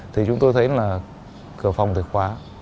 thì chúng tôi thấy là cửa phòng được khóa